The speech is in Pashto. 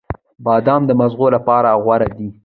• بادام د مغزو لپاره غوره دی.